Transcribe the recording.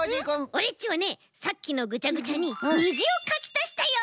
オレっちはねさっきのぐちゃぐちゃににじをかきたしたよ。